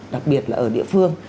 đặc biệt là ở địa phương